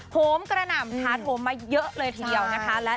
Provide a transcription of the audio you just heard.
โหมกระหน่ำท้าโถมมาเยอะเลยทีเดียวนะคะ